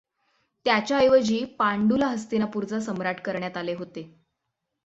त्याच्याऐवजी पांडूला हस्तिनापूरचा सम्राट करण्यात आले होते.